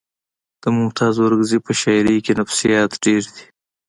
د ممتاز اورکزي په شاعرۍ کې نفسیات ډېر دي